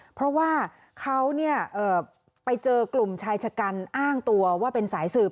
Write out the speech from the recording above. เพราะว่าเขาไปเจอกลุ่มชายชะกันอ้างตัวว่าเป็นสายสืบ